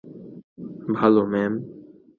ভালো ম্যাম।